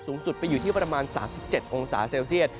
สูงสุดไปอยู่ที่ประมาณ๓๗องศาเซลเซียต